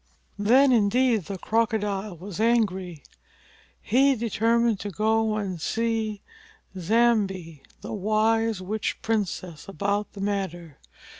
Then indeed the Crocodile was angry. He determined to go and see Nzambi, the wise witch princess, about the matter.